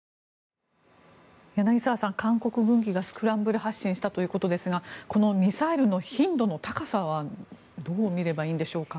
柳澤さん、韓国軍機がスクランブル発進したということですがこのミサイルの頻度の高さはどう見ればいいんでしょうか？